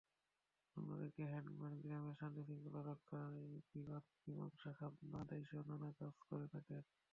অন্যদিকে হেডম্যান গ্রামের শান্তি-শৃঙ্খলা রক্ষা, বিবাদ-মীমাংসা, খাজনা আদায়সহ নানা কাজ করে থাকেন।